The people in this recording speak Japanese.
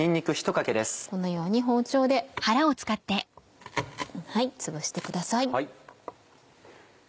このように包丁でつぶしてください。